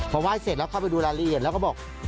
พอไหว้เสร็จแล้วเข้าไปดูรายละเอียดแล้วก็บอก